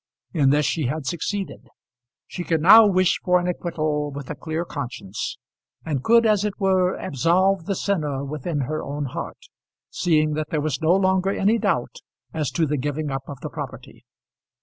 In this she had succeeded. She could now wish for an acquittal with a clear conscience; and could as it were absolve the sinner within her own heart, seeing that there was no longer any doubt as to the giving up of the property.